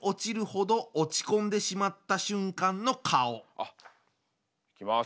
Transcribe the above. あっいきます。